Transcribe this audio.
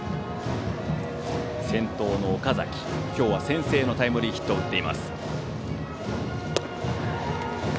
先頭の岡崎、今日は先制のタイムリーヒットを打っています。